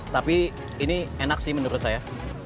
tapi ini enak sih menurut saya